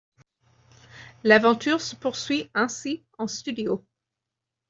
L'aventure se poursuit ainsi en studio.